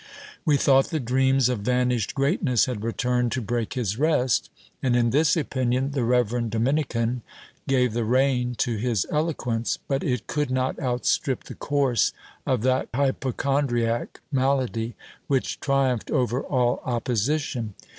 We thought the dreams DEA TH OE OLIVAREZ. 437 of vanished greatness had returned to break his rest ; and in this opinion the reverend Dominican gave the rein to his eloquence ; but it could not outstrip the course of that hypochondriac malady, which triumphed over all opposition.